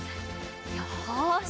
よし！